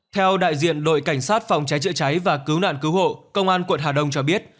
theo đại diện đội cảnh sát phòng cháy chữa cháy và cứu nạn cứu hộ công an quận hà đông cho biết